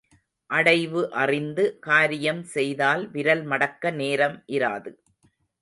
அடைவு அறிந்து காரியம் செய்தால் விரல் மடக்க நேரம் இராது.